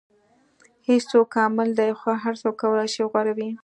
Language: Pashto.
• هیڅوک کامل نه دی، خو هر څوک کولی شي غوره وي.